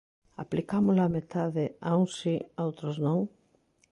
¿Aplicámola á metade, a uns si, a outros non?